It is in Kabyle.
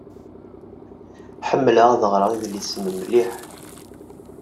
Ḥemmleɣ ad ɣṛeɣ idlisen mliḥ.